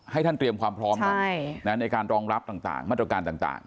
ให้ท่านเตรียมความพร้อมในการรองรับต่างมาตรการต่าง